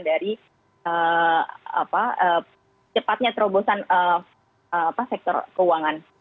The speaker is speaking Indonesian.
dari cepatnya terobosan sektor keuangan